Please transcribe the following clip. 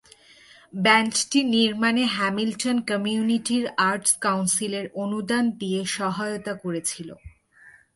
ব্যান্ডটি নির্মাণে Hamilton community arts কাউন্সিলের অনুদান দিয়ে সহায়তা করেছিল।